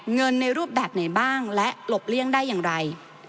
ในรูปแบบไหนบ้างและหลบเลี่ยงได้อย่างไร